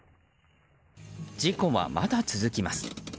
事故はまだ続きます。